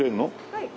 はい。